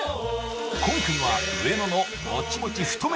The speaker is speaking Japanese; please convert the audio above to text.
今回は上野のもちもち太麺